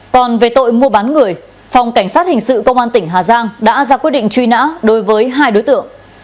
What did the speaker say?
còn về tội mua bán người phòng cảnh sát hình sự công an tỉnh hà giang đã ra quyết định truy nã đối với hai đối tượng